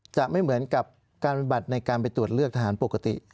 จะไม่เหมือนกับการปฏิบัติในการไปตรวจเลือกทหารปกติ